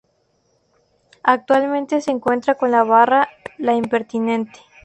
Actualmente se cuenta con la barra "La Impertinente".